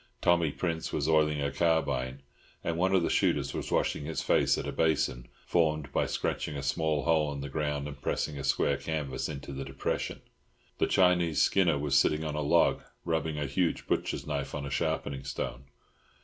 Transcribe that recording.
Tommy Prince was oiling a carbine, and one of the shooters was washing his face at a basin formed by scratching a small hole in the ground and pressing a square of canvas into the depression. The Chinese skinner was sitting on a log, rubbing a huge butcher's knife on a sharpening stone.